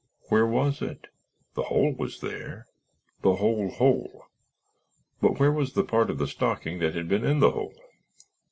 Where was it? The hole was there—the whole hole; but where was the part of the stocking that had been in the hole?